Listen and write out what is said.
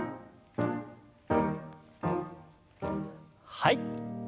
はい。